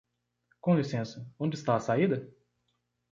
Com licença, onde está a saída?